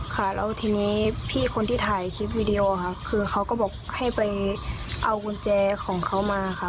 ค่ะแล้วทีนี้พี่คนที่ถ่ายคลิปวิดีโอค่ะคือเขาก็บอกให้ไปเอากุญแจของเขามาค่ะ